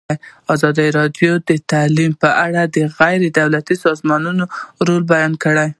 ازادي راډیو د تعلیم په اړه د غیر دولتي سازمانونو رول بیان کړی.